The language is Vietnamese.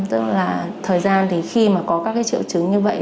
tức là thời gian thì khi mà có các cái triệu chứng như vậy